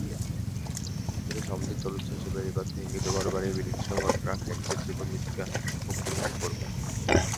এতে সামুদ্রিক জলোচ্ছ্বাসে বেড়িবাঁধ ভেঙে ঘরবাড়ি বিলীনসহ রাখাইনদের জীবন-জীবিকা হুমকির মুখে পড়বে।